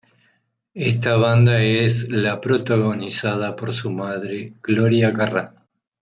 Esta banda es la protagonizada por su madre, Gloria Carrá.